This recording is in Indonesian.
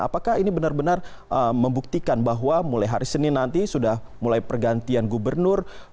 apakah ini benar benar membuktikan bahwa mulai hari senin nanti sudah mulai pergantian gubernur